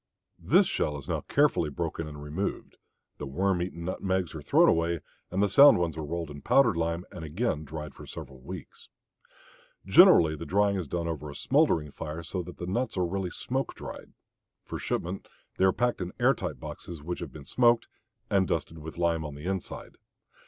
This shell is now carefully broken and removed; the worm eaten nutmegs are thrown away and the sound ones are rolled in powdered lime and again dried for several weeks. Generally the drying is done over a smoldering fire so that the nuts are really smoke dried. For shipment they are packed in air tight boxes which have been smoked and dusted with lime on the inside.